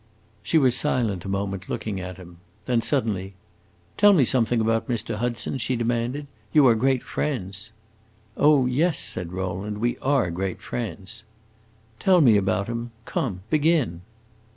She was silent a moment, looking at him. Then suddenly "Tell me something about Mr. Hudson," she demanded. "You are great friends!" "Oh yes," said Rowland; "we are great friends." "Tell me about him. Come, begin!"